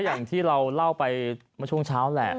อย่างที่เราเล่าไปเมื่อช่วงเช้าแหละ